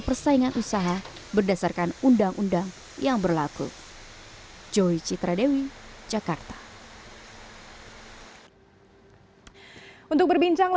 perusahaan ingin memilih aqua sebagai pilihan pertama